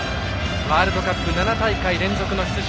ワールドカップ７大会連続の出場。